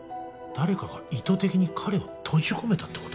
誰かが意図的に彼を閉じ込めたってこと？